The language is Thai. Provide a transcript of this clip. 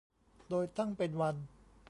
โดยตั้งเป็นวัน